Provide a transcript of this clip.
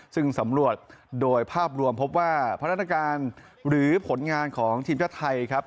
ซึ่งสำรวจโดยภาพรวมพบว่าพนักการหรือผลงานของทีมชาติไทยครับ